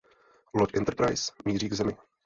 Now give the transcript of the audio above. Loď Enterprise míří k Zemi.